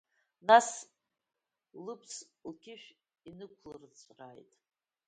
Нас лыбз лқьышә инықәлырҵәрааит…